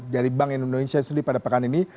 dari bank indonesia sendiri pada pekan ini